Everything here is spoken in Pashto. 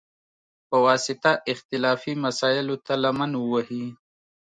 په واسطه، اختلافي مسایلوته لمن ووهي،